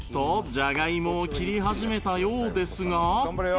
じゃがいもを切り始めたようですが